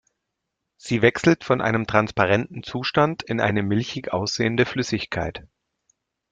Sie wechselt von einem transparenten Zustand in eine milchig aussehende Flüssigkeit.